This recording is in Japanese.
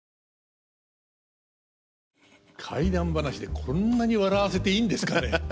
怪談話でこんなに笑わせていいんですかね。